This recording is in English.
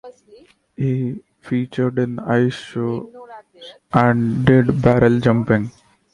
He featured in ice shows and did barrel jumping.